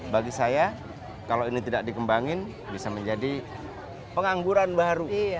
bagi saya kalau ini tidak dikembangin bisa menjadi pengangguran baru